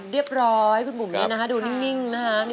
เรียบร้อยคุณบุ๋มนี่นะครับ